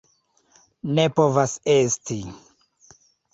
Ne povas esti!